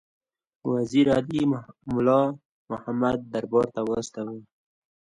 وزیر علي مُلا محمد دربار ته واستاوه.